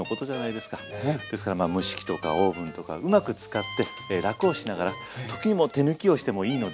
ですからまあ蒸し器とかオーブンとかうまく使って楽をしながら時にもう手抜きをしてもいいのでね